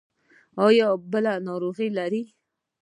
ایا بل ناروغ لرئ؟